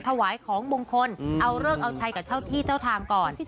ถวายของมงคลเอาเลิกเอาชัยกับเจ้าที่เจ้าทางก่อน